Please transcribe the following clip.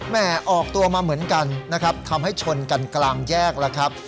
ออกตัวมาเหมือนกันนะครับทำให้ชนกันกลางแยกแล้วครับ